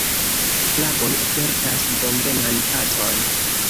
Lagoj ofertas bonvenan pacon.